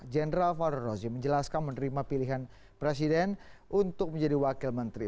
jenderal farul rozi menjelaskan menerima pilihan presiden untuk menjadi wakil menteri